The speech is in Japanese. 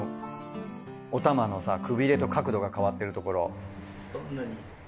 おたまのさくびれと角度が変わってるところ。